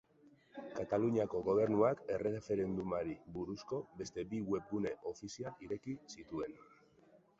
Kataluniako Gobernuak erreferendumari buruzko beste bi webgune ofizial ireki zituen.